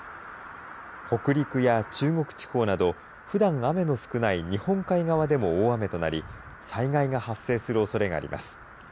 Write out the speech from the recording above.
北陸や中国地方などふだん雨の少ない日本海側でも大雨となり災害が発生するおそれがあります。